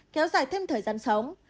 kéo dài thêm thời gian sống